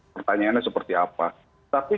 pertanyaannya seperti apa tapi